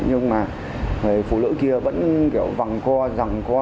nhưng mà người phụ nữ kia vẫn kiểu vằng co giẳng co